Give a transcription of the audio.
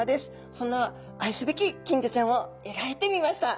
そんな愛すべき金魚ちゃんを描いてみました。